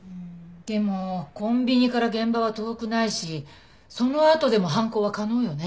でもコンビニから現場は遠くないしそのあとでも犯行は可能よね？